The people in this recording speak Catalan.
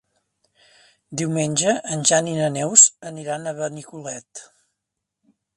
Diumenge en Jan i na Neus aniran a Benicolet.